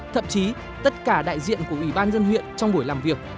thậm chí tất cả đại diện của ủy ban dân huyện trong buổi làm việc